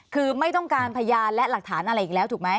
คือไม่ต้องการพยานและหลักฐานอะไรอีกแล้วถูกไหม